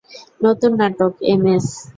নতুন নাটক, এমএস।